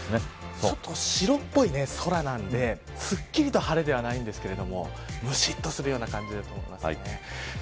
ちょっと白っぽい空なんですっきりと晴れではないんですがむしっとするような感じだと思います。